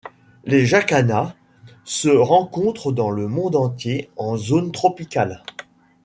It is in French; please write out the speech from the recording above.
Les jacanas se rencontrent dans le monde entier en zone tropicale.